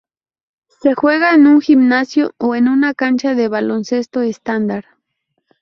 Se juega en un gimnasio o en una cancha de baloncesto estándar.